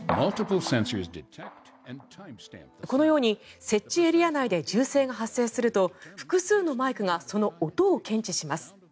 このように設置エリア内で銃声が発生すると複数のマイクがその音を検知します。